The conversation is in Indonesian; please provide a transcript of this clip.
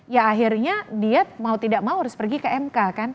ya akhirnya dia mau tidak mau harus pergi ke mk kan